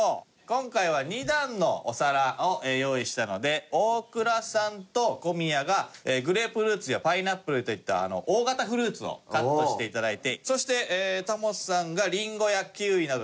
今回は２段のお皿を用意したので大倉さんと小宮がグレープフルーツやパイナップルといった大型フルーツをカットして頂いてそしてタモさんがリンゴやキウイなどのフルーツを。